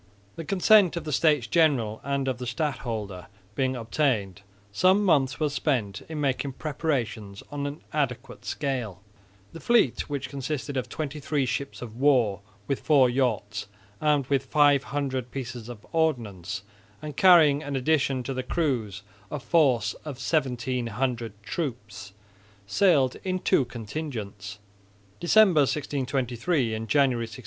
The consent of the States General and of the stadholder being obtained, some months were spent in making preparations on an adequate scale. The fleet, which consisted of twenty three ships of war with four yachts, armed with 500 pieces of ordnance, and carrying in addition to the crews a force of 1700 troops, sailed in two contingents, December, 1623, and January, 1624.